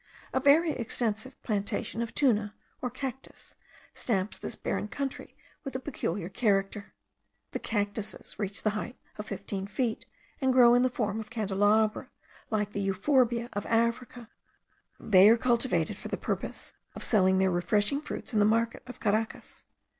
A very extensive plantation of tuna, or cactus, stamps this barren country with a peculiar character. The cactuses reach the height of fifteen feet, and grow in the form of candelabra, like the euphorbia of Africa. They are cultivated for the purpose of selling their refreshing fruits in the market of Caracas.